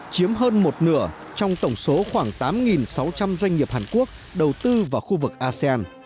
chiếm hơn một nửa trong tổng số khoảng tám sáu trăm linh doanh nghiệp hàn quốc đầu tư vào khu vực asean